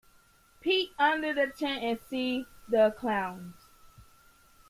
Peep under the tent and see the clowns.